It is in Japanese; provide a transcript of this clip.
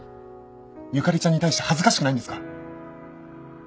由香里ちゃんに対して恥ずかしくないんですか？